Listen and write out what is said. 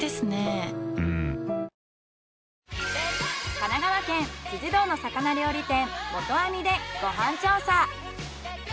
神奈川県堂の魚料理店元網でご飯調査。